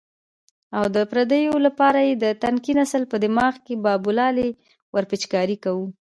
او د پردیتوب لپاره یې د تنکي نسل په دماغ کې بابولالې ورپېچکاري کوو.